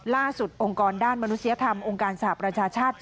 องค์กรด้านมนุษยธรรมองค์การสหประชาชาติ